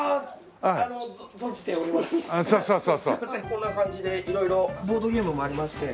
こんな感じで色々ボードゲームもありまして。